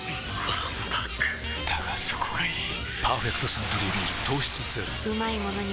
わんぱくだがそこがいい「パーフェクトサントリービール糖質ゼロ」